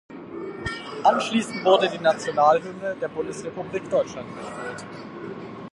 Anschließend wurde die Nationalhymne der Bundesrepublik Deutschland gespielt.